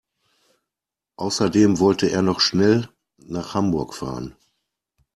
Außerdem wollte er noch schnell nach Hamburg fahren